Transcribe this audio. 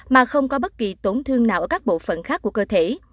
mà không có bất kỳ tổn thương nào ở các bộ phận khác của cơ thể